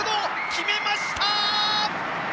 決めました！